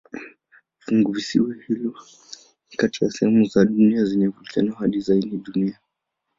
Funguvisiwa hilo ni kati ya sehemu za dunia zenye volkeno hai zaidi duniani.